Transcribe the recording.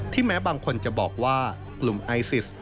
แม้บางคนจะบอกว่ากลุ่มไอซิส